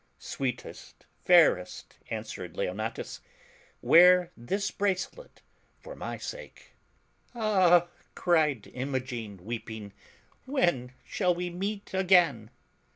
"Sweetest, fairest," answered Leonatus, "wear this bracelet for my sake." "Ah!" cried Imogen, weeping, "when shall we meet again?"